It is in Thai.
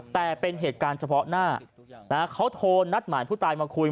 แต่เป็นเหตุการณ์เฉพาะหน้าเขาโทรนัดหมายผู้ตายมาคุย